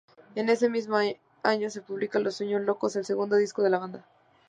Ese mismo año se publica ‘Los sueños locos’, el segundo disco de la banda.